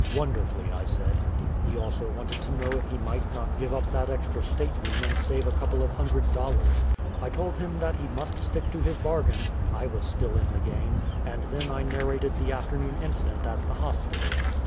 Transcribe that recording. "Wonderfully," I said. He also wanted to know if he might not give up that extra state room and save a couple of hundred dollars. I told him that he must stick to his bargain I was still in the game and then I narrated the afternoon incident at the hospital.